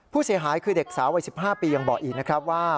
ผู้เสียหายคือเด็กสาววัย๑๕ปียังบอกอีกนะครับว่า